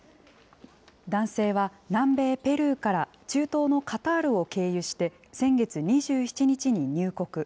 男性は南米ペルーから中東のカタールを経由して先月２７日に入国。